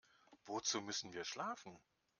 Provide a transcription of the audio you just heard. Wozu müssen wir schlafen?